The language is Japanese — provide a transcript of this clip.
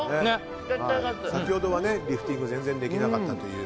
先ほどはリフティング全然できなかったという。